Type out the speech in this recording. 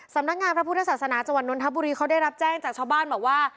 สำนักงานพระพุทธศาสนาจังหวัดนนทบุรีเขาได้รับแจ้งจากชาวบ้านบอกว่า